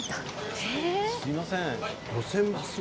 あっすいません。